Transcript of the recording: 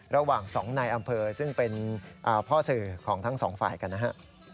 ระหว่าง๒นายอำเภอซึ่งเป็นพ่อสื่อของทั้งสองฝ่ายกันนะฮะ